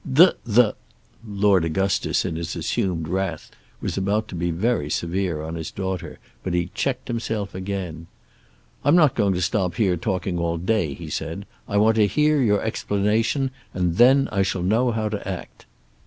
"D the !" Lord Augustus in his assumed wrath was about to be very severe on his daughter, but he checked himself again. "I'm not going to stop here talking all day," he said. "I want to hear your explanation and then I shall know how to act."